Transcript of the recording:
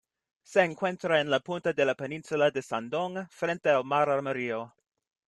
Se encuentra en la punta de la península de Shandong, frente al Mar Amarillo.